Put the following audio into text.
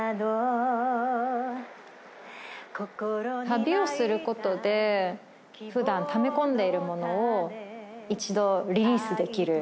旅をすることで普段ため込んでいるものを一度リリースできる。